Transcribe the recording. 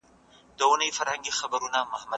که د ميرمني وصف يا نوم ذکر کړي.